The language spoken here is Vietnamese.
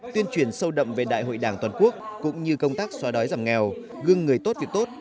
tuyên truyền sâu đậm về đại hội đảng toàn quốc cũng như công tác xóa đói giảm nghèo gương người tốt việc tốt